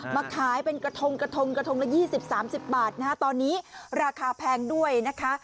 มาขายเป็นกระทงละ๒๐๓๐บาทตอนนี้ราคาแพงด้วยนะคะ